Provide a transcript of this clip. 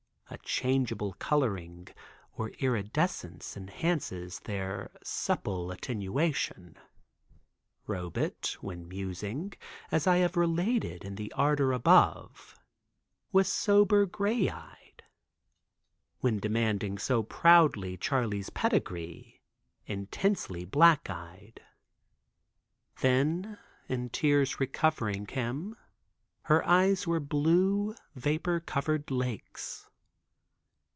A changeable coloring or iridescence enhances their supple attenuation. Robet, when musing, as I have related in the arbor above, was sober gray eyed; when demanding so proudly Charley's pedigree, intensely black eyed; then, in tears recovering him, her eyes were blue, vapor covered lakes.